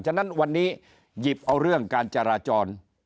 ฉะนั้นวันนี้หยิบเอาเรื่องการจราจร